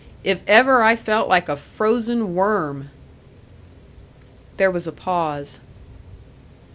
If ever I felt like a frozen worm!" There was a pause.